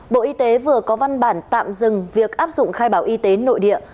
bộ y tế vừa có văn bản tạm dừng việc áp dụng khai báo y tế nội địa